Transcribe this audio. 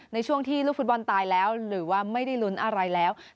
ในช่วงที่ลูกฟุตบอลตายแล้วหรือว่าไม่ได้ลุ้นอะไรแล้ว